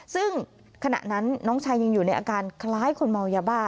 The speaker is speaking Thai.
ซึ่งขณะนั้นน้องชายยังอยู่ในอาการคล้ายคนเมายาบ้า